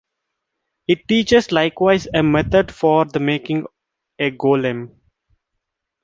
It teaches likewise a method for the making a golem.